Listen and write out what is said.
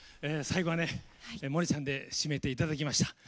最後は萌音ちゃんで締めていただきました。